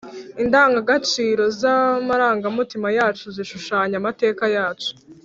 indangagaciro z'amarangamutima yacu zishushanya amateka yacu,